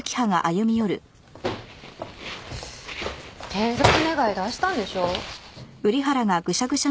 転属願出したんでしょ？